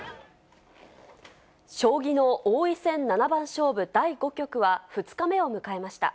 将棋の王位戦七番勝負第５局は、２日目を迎えました。